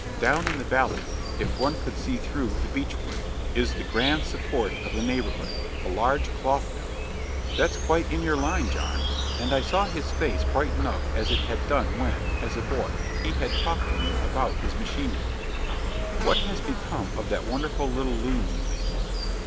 Down in the valley if one could see through the beech wood is the grand support of the neighbourhood, a large cloth mill!" "That's quite in your line, John;" and I saw his face brighten up as it had done when, as a boy, he had talked to me about his machinery. "What has become of that wonderful little loom you made?"